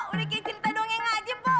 sudah seperti cerita dongeng saja po